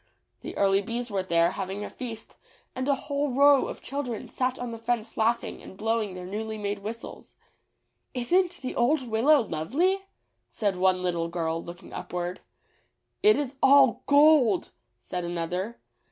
The early bees were there, having a feast, and a whole row of children sat on the fence laughing and blowing their newly made whistles. "IsnT the old Willow lovely?" said one little girl looking upward. "It is all gold," said another.